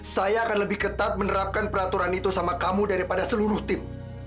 saya akan lebih ketat menerapkan peraturan itu sama kamu daripada seluruh tim